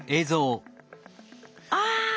あ！